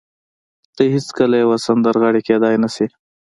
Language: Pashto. ته هېڅکله يوه سندرغاړې کېدای نه شې.